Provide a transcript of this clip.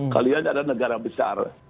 kalian ada negara besar